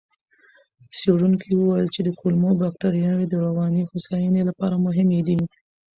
څېړونکو وویل چې کولمو بکتریاوې د رواني هوساینې لپاره مهمې دي.